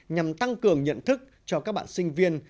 nhằm tăng cường nhận thức cho các bạn sinh viên